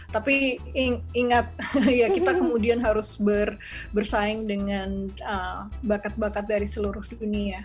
tapi ingat ya kita kemudian harus bersaing dengan bakat bakat dari seluruh dunia